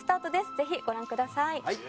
ぜひご覧ください。